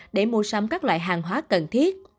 để mua sắm các loại hàng hóa cần thiết